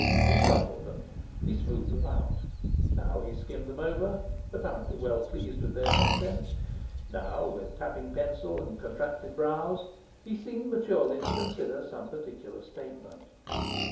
He crumpled them, he smoothed them out; now he skimmed them over, apparently well pleased with their contents; now, with tapping pencil and contracted brows, he seemed maturely to consider some particular statement.